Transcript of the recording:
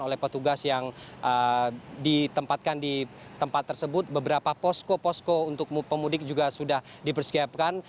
oleh petugas yang ditempatkan di tempat tersebut beberapa posko posko untuk pemudik juga sudah dipersiapkan